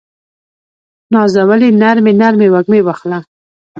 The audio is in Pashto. نازولې نرمې، نرمې وږمې واخله